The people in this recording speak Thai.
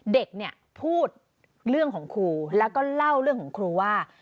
เด็กเนี่ยพูดเรื่องของครูแล้วก็เล่าเรื่องของครูว่า